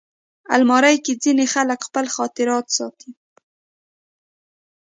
الماري کې ځینې خلک خپل خاطرات ساتي